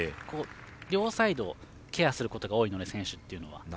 両サイドをケアすることが多いんで、選手は。